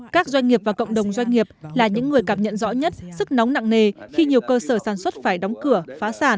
các doanh nghiệp và cộng đồng doanh nghiệp là những người cảm nhận rõ nhất sức nóng nặng nề khi nhiều cơ sở sản xuất phải đóng cửa phá sản